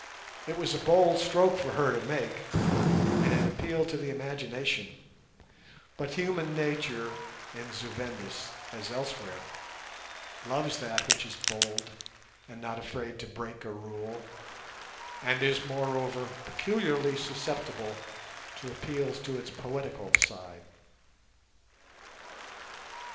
It was a bold stroke for her to make, and it appealed to the imagination; but human nature in Zu Vendis, as elsewhere, loves that which is bold and not afraid to break a rule, and is moreover peculiarly susceptible to appeals to its poetical side.